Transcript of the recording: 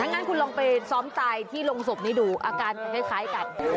งั้นคุณลองไปซ้อมตายที่โรงศพนี้ดูอาการคล้ายกัน